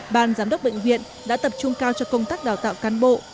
ban giám đốc bệnh viện đã tập trung cao cho công tác đào tạo cán bộ